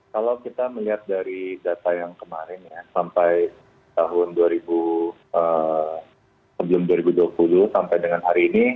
kalau kita melihat dari data yang kemarin ya sampai tahun dua ribu dua puluh sampai dengan hari ini